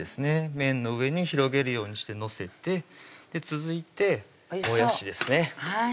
麺の上に広げるようにして載せて続いてもやしですね